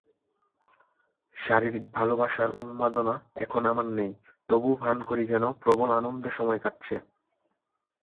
শারীরিক ভালবাসার উন্মাদনা এখন আমার নেই- তবু ভান করি যেন প্রবল আনন্দে সময় কাটছে।